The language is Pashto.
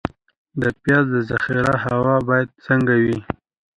د پیاز د ذخیرې هوا باید څنګه وي؟